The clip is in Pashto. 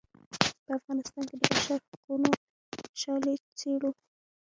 په افغانستان کې د بشر حقونو شالید څیړو.